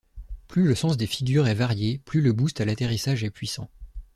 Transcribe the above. Plus le sens des figures est varié, plus le boost à l'atterrissage est puissant.